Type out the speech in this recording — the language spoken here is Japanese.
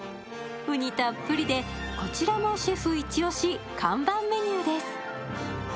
うにたっぷりで、こちらもシェフイチ押し看板メニューです。